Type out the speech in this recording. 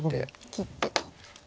切って。